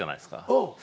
うん。